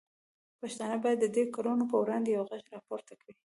پښتانه باید د دې کړنو پر وړاندې یو غږ راپورته کړي.